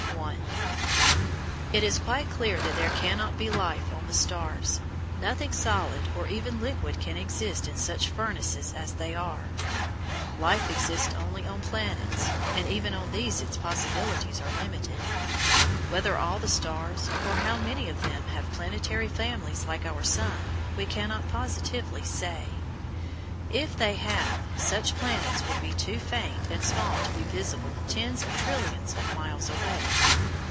§ 1 It is quite clear that there cannot be life on the stars. Nothing solid or even liquid can exist in such furnaces as they are. Life exists only on planets, and even on these its possibilities are limited. Whether all the stars, or how many of them, have planetary families like our sun, we cannot positively say. If they have, such planets would be too faint and small to be visible tens of trillions of miles away.